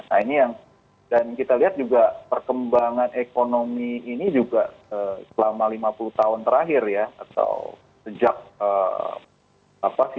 nah ini yang dan kita lihat juga perkembangan ekonomi ini juga selama lima puluh tahun terakhir ya atau sejak apa